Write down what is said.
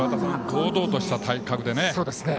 堂々とした体格で。